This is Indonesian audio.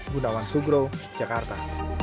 gunawan sugro jakarta